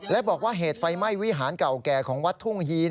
และบอกว่าเหตุไฟไหม้วิหารเก่าแก่ของวัดทุ่งฮี